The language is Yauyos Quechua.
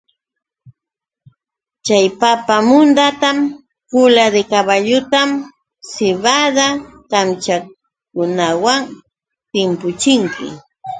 Chay papa mundatam kula de kaballukunawan sibada kamchakunawan timpuchinki.